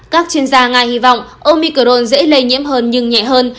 các chuyên gia nga hy vọng omicron dễ lây nhiễm hơn nhưng nhẹ hơn